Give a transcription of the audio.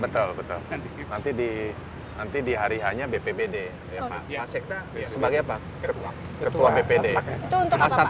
betul betul nanti di nanti di hari hanya bpbd sebag app ketua bpd datang yang